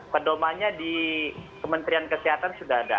pedomannya di kementerian kesehatan sudah ada